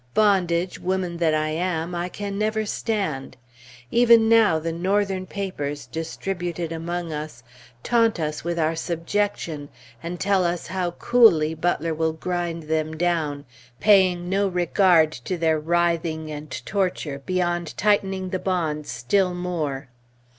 Bondage, woman that I am, I can never stand! Even now, the Northern papers, distributed among us, taunt us with our subjection and tell us "how coolly Butler will grind them down, paying no regard to their writhing and torture beyond tightening the bonds still more!"